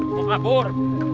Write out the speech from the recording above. eh mau kabur